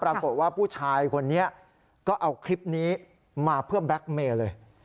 ปรากฏว่าผู้ชายคนนี้ก็เอาคลิปนี้มาเพื่อแบล็คเมย์เลย